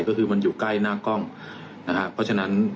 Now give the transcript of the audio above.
ก็คือมันอยู่ใกล้หน้ากล้องนะครับเพราะฉะนั้น